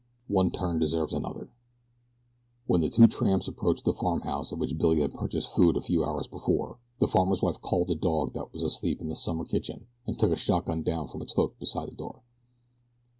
ONE TURN DESERVES ANOTHER WHEN the two tramps approached the farmhouse at which Billy had purchased food a few hours before the farmer's wife called the dog that was asleep in the summer kitchen and took a shotgun down from its hook beside the door.